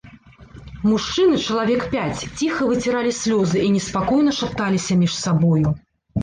Мужчыны, чалавек пяць, ціха выціралі слёзы і неспакойна шапталіся між сабою.